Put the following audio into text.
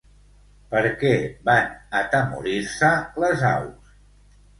Per què van atemorir-se les aus?